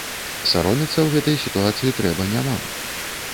Саромецца ў гэтай сітуацыі трэба не нам.